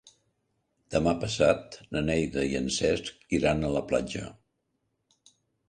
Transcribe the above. Demà passat na Neida i en Cesc iran a la platja.